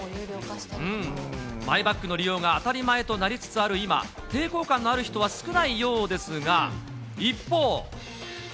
マイバッグの利用が当たり前となりつつある今、抵抗感のある人は少ないようですが、一方。